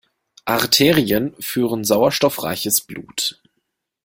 Arterien führen sauerstoffreiches Blut.